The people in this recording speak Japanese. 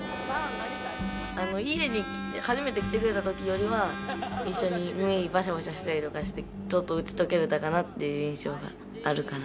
家に初めて来てくれた時よりは一緒に海でバシャバシャしたりとかしてちょっと打ち解けれたかなっていう印象があるかな。